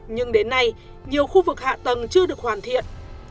nhưng đến nay nhiều khu vực hạ tầng chưa được hoàn thiện